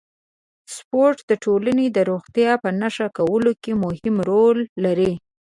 سپورت د ټولنې د روغتیا په ښه کولو کې مهم رول لري.